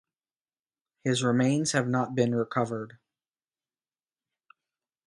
His remains have not been recovered.